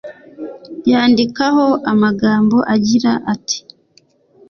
yandikaho amagambo agira ati